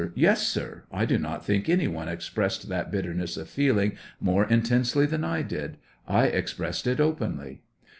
Yes, sir ; I do not think any one expressed that bitterness of feeling more intensely than I did ; I ex pressed it openly.